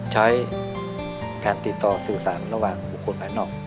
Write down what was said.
ใช้การติดต่อสื่อสารระหว่างบุคคลภายนอก